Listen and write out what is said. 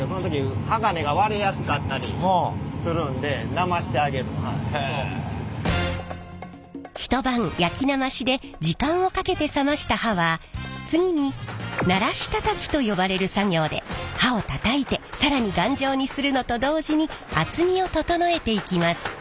なまさなかったら一晩焼きなましで時間をかけて冷ました刃は次にならしたたきと呼ばれる作業で刃をたたいて更に頑丈にするのと同時に厚みを整えていきます。